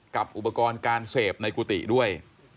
กับอุปกรณ์การเสพในกุฏิด้วย